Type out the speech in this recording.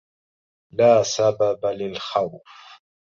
لا سبب للخوف.